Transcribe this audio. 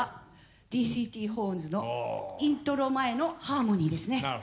ＤＣＴホーンズのイントロ前のハーモニーですね。